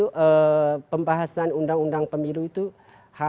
jadi kita mau bicara soal penambahan atau pengurangan juga nanti di malam terakhir itu puncak ya